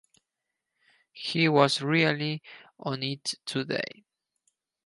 He was really on it today.